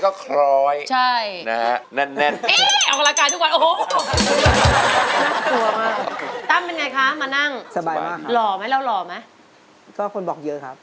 คือเอาคนบอกเยอะครับ